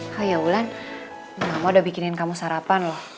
oh iya ulan mama udah bikinin kamu sarapan loh